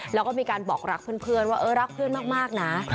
แล้วก็มีการบอกรักเพื่อนว่าเออรักเพื่อนมากนะ